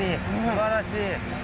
すばらしい。